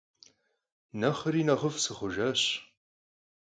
Nexhri nexhıf' sxhujjaş.